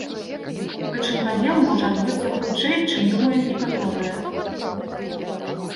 Прычым падзел можа адбыцца хутчэй, чым думаюць некаторыя.